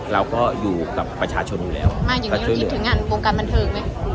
เราก็อยู่กับประชาชนอยู่แล้วมาอย่างนี้เราคิดถึงงานวงการบันเทิงไหม